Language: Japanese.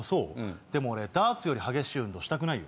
でも俺ダーツより激しい運動したくないよ。